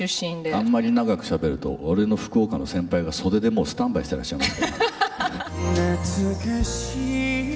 あまり長くしゃべると俺の福岡の先輩が袖で、もうスタンバイしてらっしゃるんで。